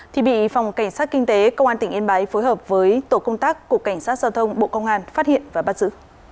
thì bị phòng cảnh sát kinh tế công an tỉnh yên bái phối hợp với tổ công tác cục cảnh sát giao thông bộ công an phát hiện và bắt giữ